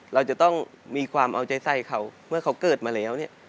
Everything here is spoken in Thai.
เราจะต้องมีความเอาใจใส่เขาเมื่อเขาเกิดมาแล้วเนี่ย